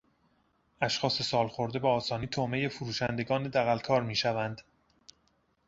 اشخاص سالخورده به آسانی طعمهی فروشندگان دغلکار میشوند.